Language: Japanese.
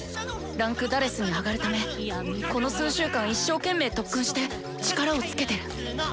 位階「４」に上がるためこの数週間一生懸命特訓して力をつけてる！